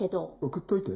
送っといて。